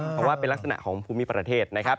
เพราะว่าเป็นลักษณะของภูมิประเทศนะครับ